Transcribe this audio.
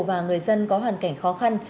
và người dân có hoàn cảnh khó khăn